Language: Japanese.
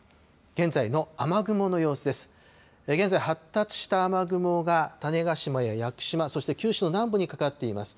現在、発達した雨雲が種子島や屋久島、そして九州の南部にかかっています。